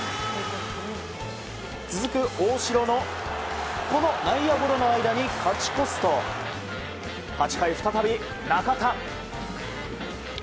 続く大城の、この内野ゴロの間に勝ち越すと８回、再び中田。